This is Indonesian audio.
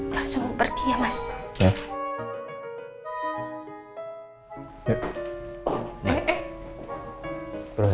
langsung pergi ya mas